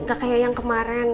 nggak kayak yang kemarin